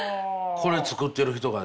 これ作ってる人がですか？